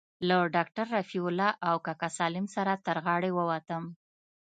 له ډاکتر رفيع الله او کاکا سالم سره تر غاړې ووتم.